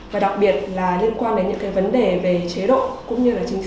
và đặc biệt là liên quan đến những cái vấn đề về chế độ cũng như là chính sách